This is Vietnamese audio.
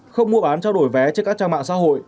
không mua bán trao đổi vé trên các trang mạng xã hội